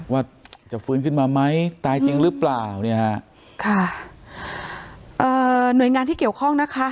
ว่าจะฟื้นขึ้นมาไหมตายจริงหรือเปล่าเนี่ยฮะค่ะเอ่อหน่วยงานที่เกี่ยวข้องนะคะ